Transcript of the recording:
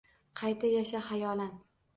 Qayta yasha xayolan.